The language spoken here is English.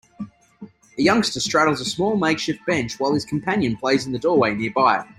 A youngster straddles a small makeshift bench while his companion plays in the doorway nearby.